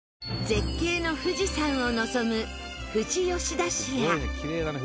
絶景の富士山を望む富士吉田市や。